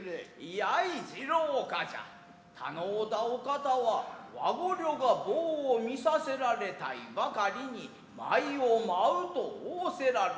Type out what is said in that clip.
やい次郎冠者頼うだお方は和御寮が棒を見させられたいばかりに舞を舞うと仰せらるる。